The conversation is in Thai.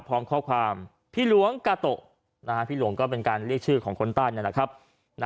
พร้อมข้อความพี่หลวงกาโตะพี่หลวงก็เป็นการเรียกชื่อของคนต้าน